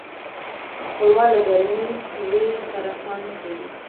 ښوروا له ګرمې خولې سره خوند کوي.